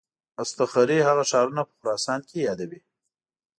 اصطخري هغه ښارونه په خراسان کې یادوي.